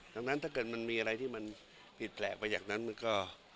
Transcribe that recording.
ดังนั้นถ้าเกิดมันมีอะไรที่มันผิดแปลกไปอย่างนั้นมันก็